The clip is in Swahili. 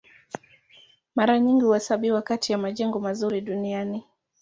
Mara nyingi huhesabiwa kati ya majengo mazuri duniani.